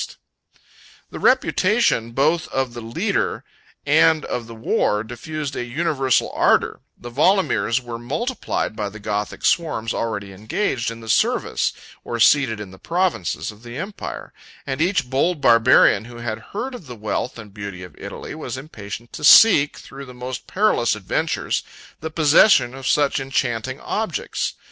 ] The reputation both of the leader and of the war diffused a universal ardor; the Walamirs were multiplied by the Gothic swarms already engaged in the service, or seated in the provinces, of the empire; and each bold Barbarian, who had heard of the wealth and beauty of Italy, was impatient to seek, through the most perilous adventures, the possession of such enchanting objects.